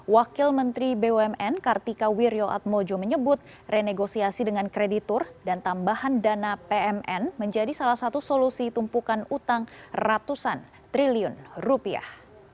wakil menteri bumn kartika wirjoatmojo menyebut renegosiasi dengan kreditur dan tambahan dana pmn menjadi salah satu solusi tumpukan utang ratusan triliun rupiah